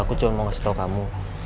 aku cuma mau ngasih tau kamu